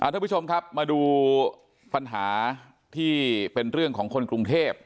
ทุกผู้ชมครับมาดูปัญหาที่เป็นเรื่องของคนกรุงเทพ